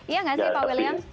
iya nggak sih pak william